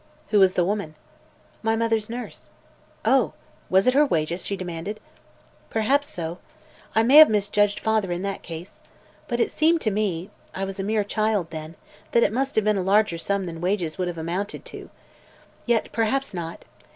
"Who was the woman?" "My mother's nurse." "Oh. Was it her wages she demanded?" "Perhaps so. I may have misjudged father in that case. But it seemed to me I was a mere child then that it must have been a larger sum than wages would have amounted to. Yet, perhaps not.